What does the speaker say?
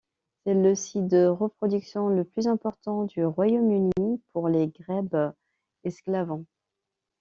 C'est le site de reproduction le plus important du Royaume-Uni pour les Grèbes esclavon.